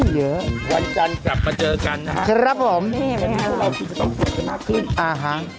เยอะวันจันทร์กลับมาเจอกันนะครับครับผมนี่นี่ค่ะเราอ่าฮะ